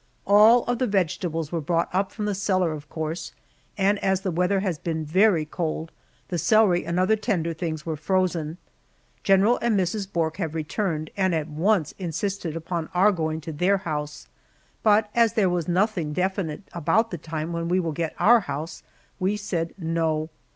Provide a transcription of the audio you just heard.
All of the vegetables were brought up from the cellar, of course, and as the weather has been very cold, the celery and other tender things were frozen. General and Mrs. Bourke have returned, and at once insisted upon our going to their house, but as there was nothing definite about the time when we will get our house, we said "No."